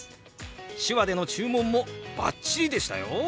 手話での注文もバッチリでしたよ！